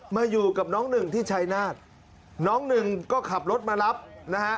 มาอยู่กับน้องหนึ่งที่ชายนาฏน้องหนึ่งก็ขับรถมารับนะฮะ